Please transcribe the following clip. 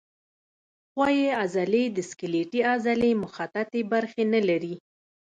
ښویې عضلې د سکلیټي عضلې مخططې برخې نه لري.